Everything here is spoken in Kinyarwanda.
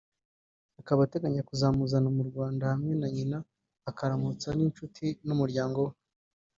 akaba ateganya kuzamuzana mu Rwanda hamwe na nyina bakaramutsa inshuti n’umuryango we